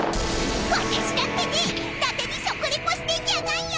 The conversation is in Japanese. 私だってねぇだてに食レポしてんじゃないよ！